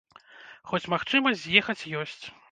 Хоць магчымасць з'ехаць ёсць.